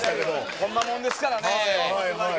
ほんまもんですからね。